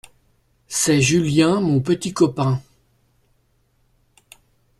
C'est Julien mon petit copain.